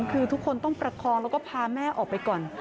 คือทุกคนต้องประคองแล้วก็พาแม่ออกไปก่อน